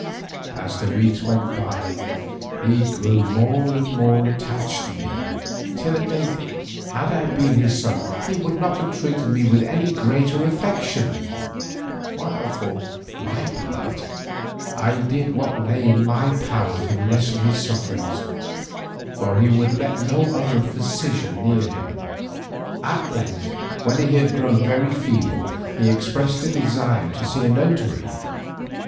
As the weeks went by he grew more and more attached to me, till at length, had I been his son, he could not have treated me with a greater affection, while for my part I did what lay in my power to lessen his sufferings, for he would let no other physician near him. At length when he had grown very feeble he expressed a desire to see a notary.